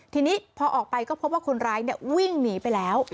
ทีนี้พอออกไปก็พบว่าคนร้ายวิ่งหนีไปแล้ว